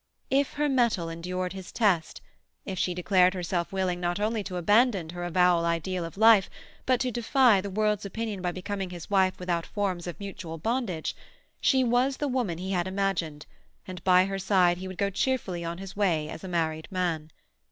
If her mettle endured his test, if she declared herself willing not only to abandon her avowed ideal of life, but to defy the world's opinion by becoming his wife without forms of mutual bondage—she was the woman he had imagined, and by her side he would go cheerfully on his way as a married man.